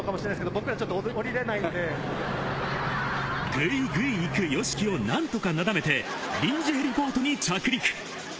グイグイいくＹＯＳＨＩＫＩを何とかなだめて、臨時ヘリポートに着陸。